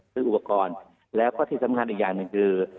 ซื้ออุปกรณ์แล้วก็ที่สำคัญอีกอย่างหนึ่งคือ